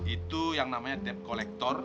itu yang namanya debt collector